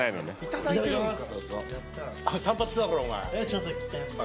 ちょっと切っちゃいました。